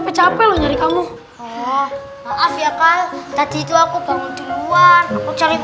ini harusnya ora yang seperti ini